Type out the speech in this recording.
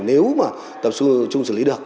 nếu mà tập trung xử lý được